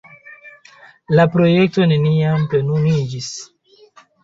La projekto neniam plenumiĝis.